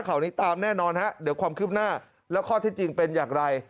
ข่าวนี้ตามแน่นอนฮะเดี๋ยวความคืบหน้าแล้วข้อที่จริงเป็นอย่างไร